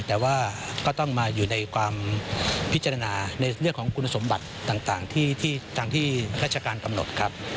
แต่ว่าก็ต้องมาอยู่ในความพิจารณาในเรื่องของคุณสมบัติต่างที่ทางที่ราชการกำหนดครับ